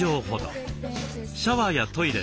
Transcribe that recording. シャワーやトイレ